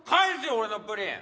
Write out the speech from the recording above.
俺のプリン！